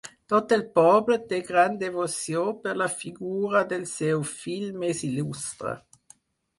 Tot el poble té gran devoció per la figura del seu fill més il·lustre.